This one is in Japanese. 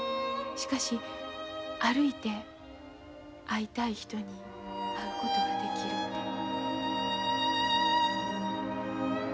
しかし歩いて会いたい人に会うことができる」て。